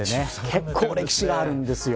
結構歴史があるんですよ。